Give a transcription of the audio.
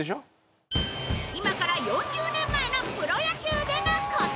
今から４０年前のプロ野球でのこと